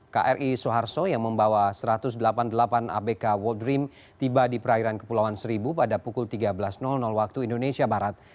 kri soeharto yang membawa satu ratus delapan puluh delapan abk world dream tiba di perairan kepulauan seribu pada pukul tiga belas waktu indonesia barat